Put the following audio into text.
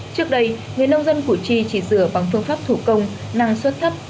trước đây người nông dân củ chi chỉ dừa bằng phương pháp thủ công năng suất thấp